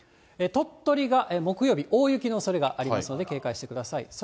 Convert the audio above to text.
鳥取が木曜日、大雪のおそれがありますので、警戒してください。